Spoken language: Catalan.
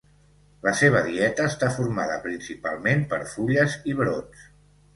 La seva dieta està formada principalment per fulles i brots.